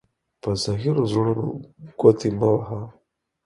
په زهيرو زړونو گوتي مه وهه.